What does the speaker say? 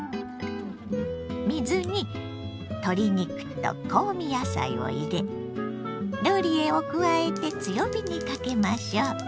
水に鶏肉と香味野菜を入れローリエを加えて強火にかけましょう。